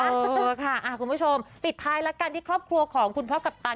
เออค่ะคุณผู้ชมปิดท้ายแล้วกันที่ครอบครัวของคุณพ่อกัปตัน